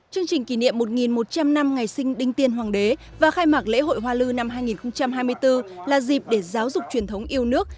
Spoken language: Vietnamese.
chương trình kỷ niệm một một trăm linh năm ngày sinh đinh tiên hoàng đế và khai mạc lễ hội hoa lư năm hai nghìn hai mươi bốn là dịp để giáo dục truyền thống yêu nước